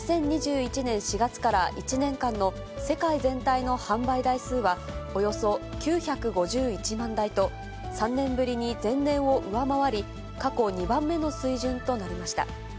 ２０２１年４月から１年間の世界全体の販売台数は、およそ９５１万台と、３年ぶりに前年を上回り、過去２番目の水準となりました。